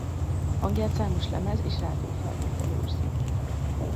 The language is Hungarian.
Hangját számos lemez és rádiófelvétel őrzi.